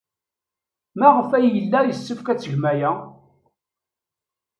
Maɣef ay yella yessefk ad tgem aya?